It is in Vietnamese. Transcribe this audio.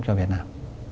cho việt nam